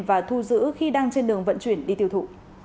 và thu giữ khi đang trên đường vận chuyển đi tiêu thụ